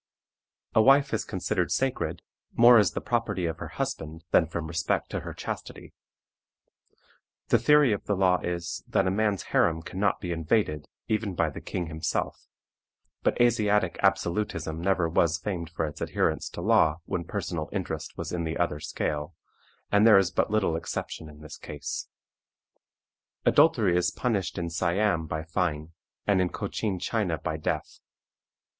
A wife is considered sacred, more as the property of her husband than from respect to her chastity. The theory of the law is, that a man's harem can not be invaded, even by the king himself; but Asiatic absolutism was never famed for its adherence to law when personal interest was in the other scale, and there is but little exception in this case. Adultery is punished in Siam by fine, and in Cochin China by death.